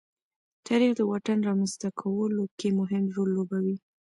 تاریخ د واټن رامنځته کولو کې مهم رول لوبوي.